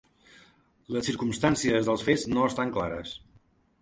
Les circumstàncies dels fets no estan clares.